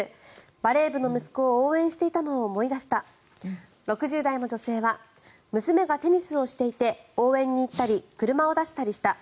バレー部の息子を応援していたのを思い出した６０代の女性は娘がテニスをしていて応援に行ったり車を出したりした。